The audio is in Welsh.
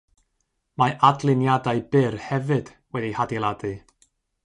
Mae adliniadau byr hefyd wedi'u hadeiladu.